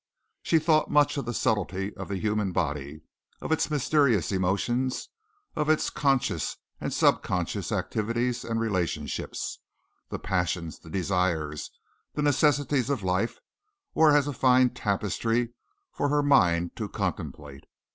She thought much of the subtlety of the human body, of its mysterious emotions, of its conscious and subconscious activities and relationships. The passions, the desires, the necessities of life, were as a fine tapestry for her mind to contemplate.